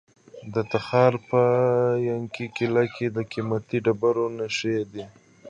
د تخار په ینګي قلعه کې د قیمتي ډبرو نښې دي.